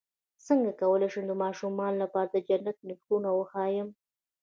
څنګه کولی شم د ماشومانو لپاره د جنت نهرونه وښایم